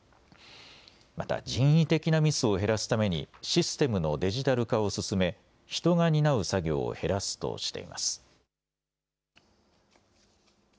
また人為的なミスを減らすために、システムのデジタル化を進め、人が担う作業を減らすとしています。